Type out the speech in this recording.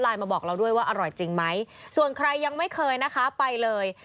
มาบอกเราด้วยว่าอร่อยจริงไหมส่วนใครยังไม่เคยนะคะไปเลย